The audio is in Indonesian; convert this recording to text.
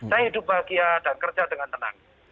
saya hidup bahagia dan kerja dengan tenang